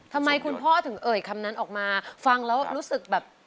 ทำไมคุณพ่อถึงเอ่ยคำนั้นออกมาฟังแล้วรู้สึกแบบ